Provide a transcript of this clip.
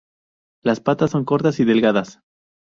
Las patas son cortas y delgadas.